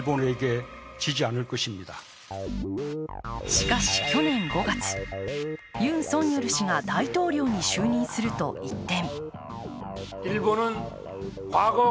しかし、去年５月ユン・ソンニョル氏が大統領に就任すると一転。